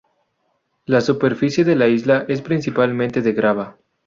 La superficie de la isla es principalmente de grava.